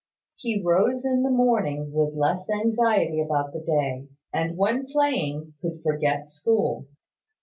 He rose in the morning with less anxiety about the day: and when playing, could forget school.